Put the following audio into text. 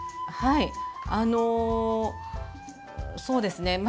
はいあのそうですね